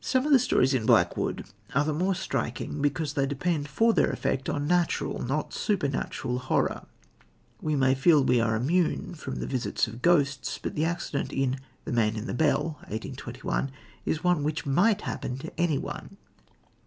Some of the stories in Blackwood are the more striking because they depend for their effect on natural, not supernatural, horror. We may feel we are immune from the visits of ghosts, but the accident in The Man in the Bell (1821) is one which might happen to anyone.